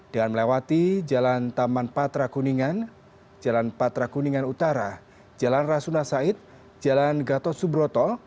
dengan melewati jalan taman patra kuningan jalan patra kuningan utara jalan rasuna said jalan gatot subroto